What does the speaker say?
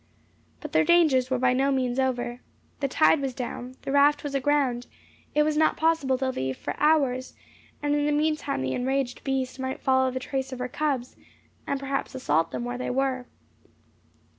But their dangers were by no means over. The tide was down; the raft was aground; it was not possible to leave for hours; and in the meantime the enraged beast might follow the trace of her cubs, and perhaps assault them where they were.